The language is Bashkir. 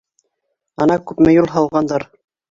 Ана күпме юл һалғандар.